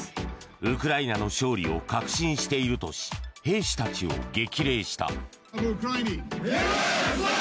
ウクライナの勝利を確信しているとし兵士たちを激励した。